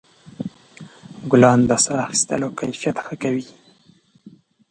ګلان د ساه اخیستلو کیفیت ښه کوي.